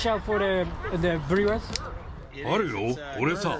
あるよ、これさ。